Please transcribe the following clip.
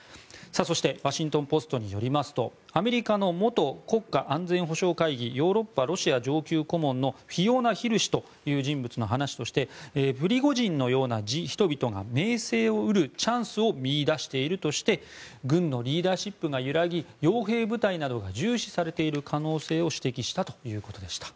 そしてワシントン・ポストによりますとアメリカの元国家安全保障会議ヨーロッパ・ロシア上級顧問のフィオナ・ヒル氏という人物の話としてプリゴジンのような人々が名声を得るチャンスを見いだしているとして軍のリーダーシップが揺らぎ傭兵部隊などが重視されている可能性を指摘したということでした。